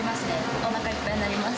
おなかいっぱいになります。